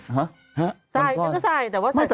ฮะฉันก็ใส่แต่ว่าใส่ถอด